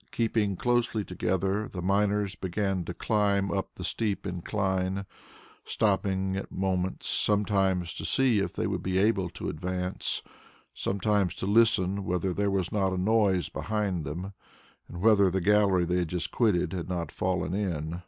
Keeping closely together, the miners began to climb up the steep incline, stopping at moments, sometimes to see if they would be able to advance, sometimes to listen whether there was not a noise behind them, and whether the gallery they had just quitted had not fallen in.